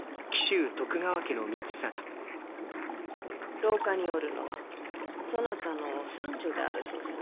・廊下におるのはそなたの三女であるそうじゃな。